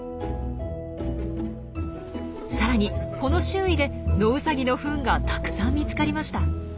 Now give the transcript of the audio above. さらにこの周囲でノウサギのフンがたくさん見つかりました。